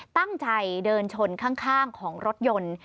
ตั้งใจเดินชนข้างของรถยนต์